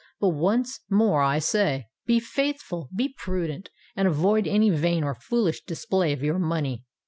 But once more I say, be faithful—be prudent—and avoid any vain or foolish display of your money."